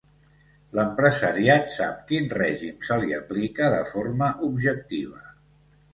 L'empresariat sap quin règim se li aplica de forma objectiva.